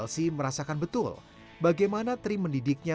selamat pagi atta